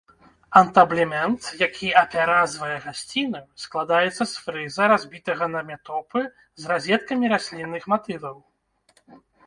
Антаблемент, які апяразвае гасціную, складаецца з фрыза, разбітага на метопы з разеткамі раслінных матываў.